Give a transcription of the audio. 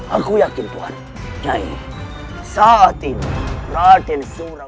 aku yakin tuhan nyai saat ini raden surau